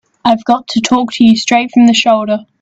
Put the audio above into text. I've got to talk to you straight from the shoulder.